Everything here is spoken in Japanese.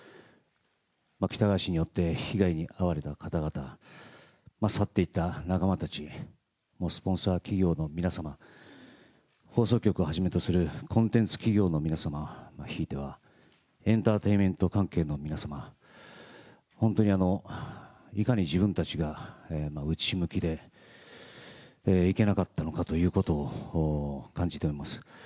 喜多川氏によって被害に遭われた方々、去っていった仲間たち、スポンサー企業の皆様、放送局をはじめとするコンテンツ企業の皆様、ひいてはエンターテインメント関係の皆様、本当にいかに自分たちが内向きで、いけなかったのかということを感じております。